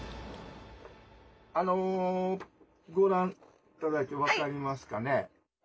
あのご覧いただいて分かりますかね？